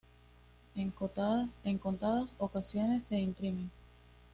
En contadas ocasiones se imprimen.